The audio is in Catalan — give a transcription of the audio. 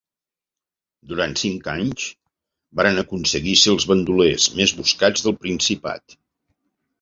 Durant cinc anys varen aconseguir ser els bandolers més buscats del Principat.